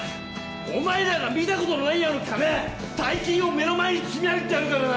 お前らが見たことのないような金大金を目の前に積み上げてやるからな！